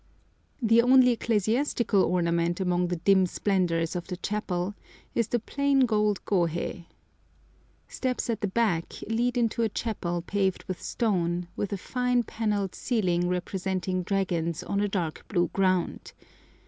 The only ecclesiastical ornament among the dim splendours of the chapel is the plain gold gohei. Steps at the back lead into a chapel paved with stone, with a fine panelled ceiling representing dragons on a dark blue ground.